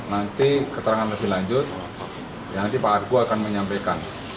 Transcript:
nanti keterangan lebih lanjut nanti pak agus akan menyampaikan